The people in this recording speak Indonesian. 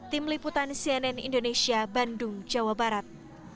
tim liputan cnn indonesia bandung jawa barat